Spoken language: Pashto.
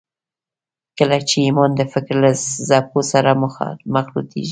کله چې ايمان د فکر له څپو سره مخلوطېږي.